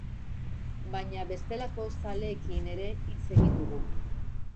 Baina bestelako zaleekin ere hitz egin dugu.